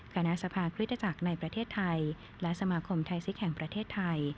คณะสภาคริตจักรในประเทศไทยและสมาคมไทยซิกแห่งประเทศไทย